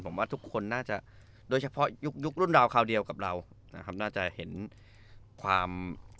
ผมว่าทุกคนน่าจะโดยเฉพาะยุคยุครุ่นราวคราวเดียวกับเรานะครับน่าจะเห็นความ